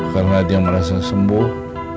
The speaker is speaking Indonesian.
karena dia merasa sembuh